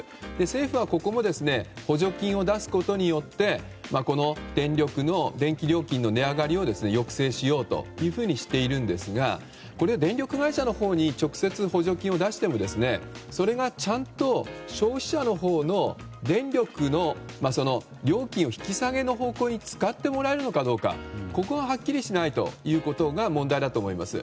政府はここも補助金を出すことによって電気料金の値上がりを抑制しようとしているんですがこれ、電力会社のほうに直接補助金を出してもそれがちゃんと消費者のほうの電力の料金引き下げの方向に使ってもらえるのかどうかがはっきりしないということが問題だと思います。